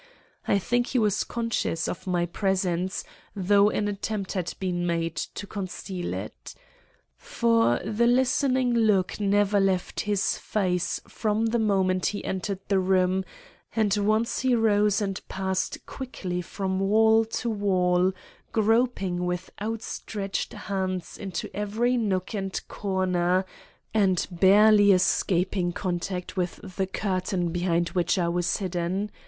I think he was conscious of my presence, though an attempt had been made to conceal it. For the listening look never left his face from the moment he entered the room, and once he rose and passed quickly from wall to wall, groping with outstretched hands into every nook and corner, and barely escaping contact with the curtain behind which I was hidden.